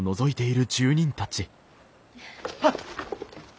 あっ！